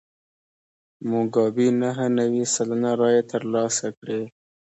موګابي نهه نوي سلنه رایې ترلاسه کړې.